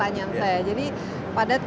akan datang ke jakarta barat